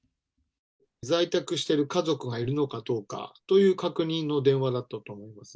在宅している家族がいるのかどうかという確認の電話だったと思いますね。